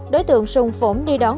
đối tượng sùng phủng đi đón